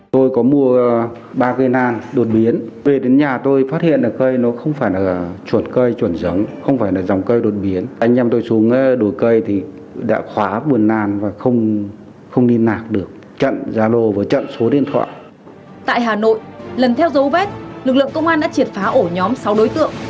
tại hà nội lần theo dấu vết lực lượng công an đã triệt phá ổ nhóm sáu đối tượng